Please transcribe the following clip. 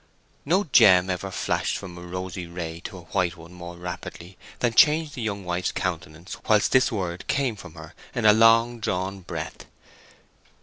No gem ever flashed from a rosy ray to a white one more rapidly than changed the young wife's countenance whilst this word came from her in a long drawn breath.